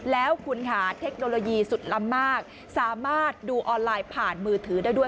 แล้วคุณค่ะเทคโนโลยีสุดล้ำมากสามารถดูออนไลน์ผ่านมือถือได้ด้วย